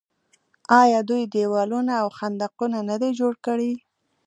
آیا دوی دیوالونه او خندقونه نه دي جوړ کړي؟